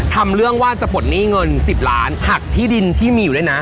ทำเรื่องว่าจะปลดหนี้เงิน๑๐ล้านหักที่ดินที่มีอยู่ด้วยนะ